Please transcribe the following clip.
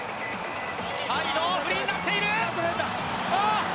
サイドフリーになっている！